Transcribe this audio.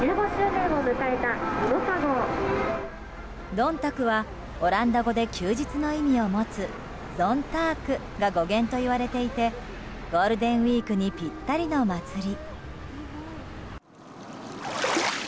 どんたくはオランダ語で休日の意味を持つゾンタークが語源と言われていてゴールデンウィークにぴったりの祭り。